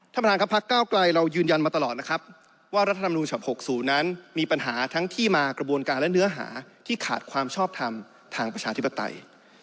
ท่านประธานครับพักเก้าไกลเรายืนยันมาตลอดนะครับว่ารัฐธรรมนูญฉบับ๖๐นั้นมีปัญหาทั้งที่มากระบวนการและเนื้อหาที่ขาดความชอบทำทางประชาธิปไตย